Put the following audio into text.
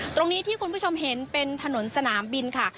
ตรงนี้ที่คุณผู้ชมเห็นเป็นถนนสนามบินค่ะ